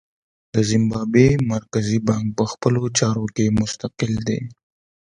د زیمبابوې مرکزي بانک په خپلو چارو کې مستقل دی.